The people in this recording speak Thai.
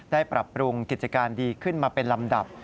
ปรับปรุงกิจการดีขึ้นมาเป็นลำดับ